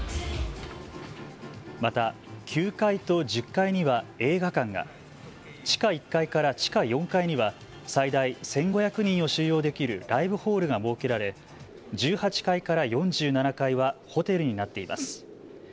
また９階と１０階には映画館が、地下１階から地下４階には最大１５００人を収容できるライブホールが設けられ１８階から４７階はホテルになっています。